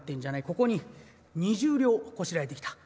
ここに２０両こしらえてきた。